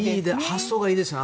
発想がいいですね。